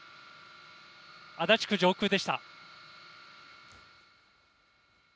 足立区上空でした。